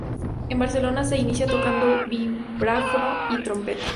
En Barcelona se inicia tocando vibráfono y trompeta.